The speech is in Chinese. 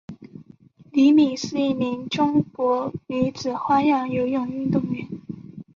李敏是一名中国女子花样游泳运动员。